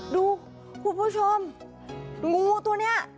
คุณผู้ชมงูตัวนี้